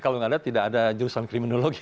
kalau nggak ada tidak ada jurusan kriminologi